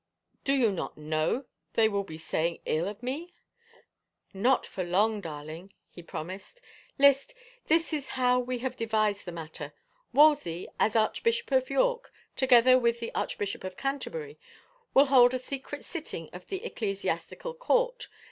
. Do you not know they will be saying ill of mer " Not for long, darling," he promised. " List, this is. how we have devised the matter. Wolsey, as Archbishop of York, together with the Archbishop of Canterbury, will hold a secret sitting of the ecclesiastical court.